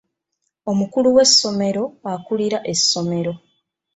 Omukulu w'essomero akulira essomero.